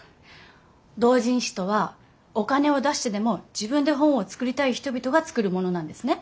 同人誌とはお金を出してでも自分で本を作りたい人々が作るものなんですね。